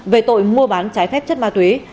về tội mua bán trái phép chất ma túy